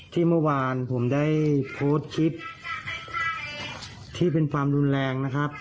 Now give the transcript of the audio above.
ที่เมื่อวานผมได้โพสต์คลิปที่เป็นความรุนแรงนะครับ